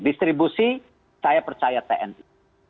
distribusi saya percaya tni